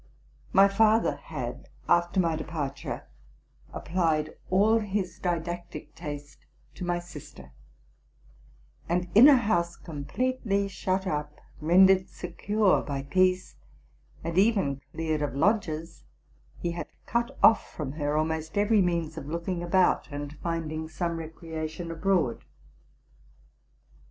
My father had, after my departure, applied all his didactic taste to my sister ; and in a house completely shut up, rendered secure by peace, and even cleared of lodgers, he had cut off from her almost every means of looking about and finding some recreation abroad.